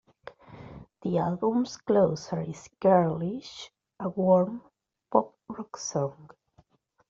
The album's closer is "Girlish", a "warm" pop rock song.